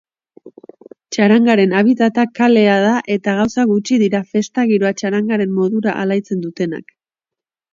Txarangaren habitata kalea da eta gauza gutxi dira festa giroa txarangaren modura alaitzen dutenak.